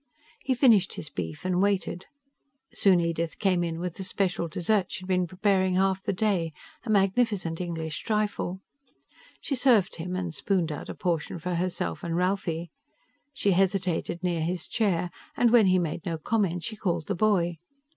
He finished his beef and waited. Soon Edith came in with the special dessert she'd been preparing half the day a magnificent English trifle. She served him, and spooned out a portion for herself and Ralphie. She hesitated near his chair, and when he made no comment she called the boy.